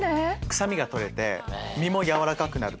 臭みが取れて身も柔らかくなる。